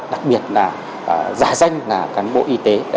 đặc biệt là giả danh cán bộ y tế